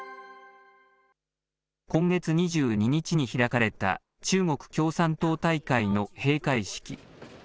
今月２２日に開かれた中国共産党大会の閉会式。